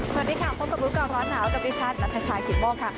สวัสดีค่ะพบกับร้อนหนาวกับดิฉันนัทชายขีดโม่ค่ะ